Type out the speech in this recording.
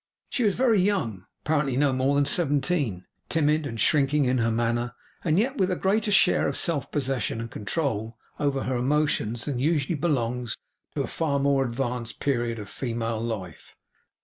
She was very young; apparently no more than seventeen; timid and shrinking in her manner, and yet with a greater share of self possession and control over her emotions than usually belongs to a far more advanced period of female life.